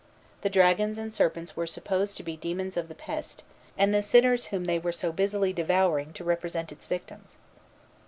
The dragons and serpents were supposed to be the demons of the pest, and the sinners whom they were so busily devouring to represent its victims.